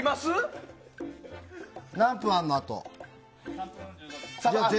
何分あるの、あと。